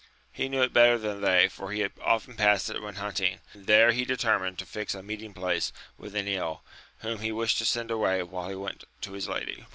He knew it better than they, for he had often passed it when hunting, and there he determined to fix a meeting place with Enil, whom he wished to send away while he went to his lady.